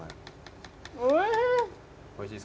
おいしい。